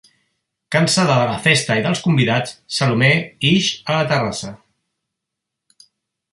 Cansada de la festa i dels convidats, Salomé ix a la terrassa.